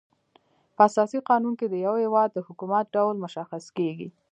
په اساسي قانون کي د یو هيواد د حکومت ډول مشخص کيږي.